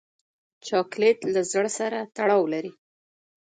چاکلېټ له زړه سره تړاو لري.